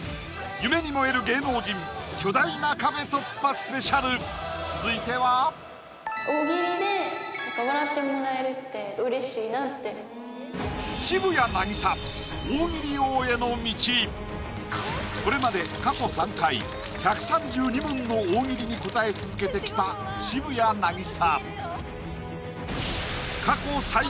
夢に燃える芸能人巨大な壁突破ＳＰ続いてはこれまで過去３回１３２問の大喜利に答え続けてきた渋谷凪咲